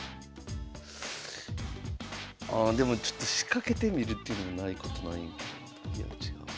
ああでもちょっと仕掛けてみるっていうのもないことないんか。